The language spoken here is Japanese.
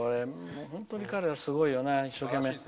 本当に彼はすごいよね、一生懸命。